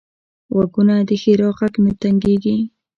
غوږونه د ښیرا غږ نه تنګېږي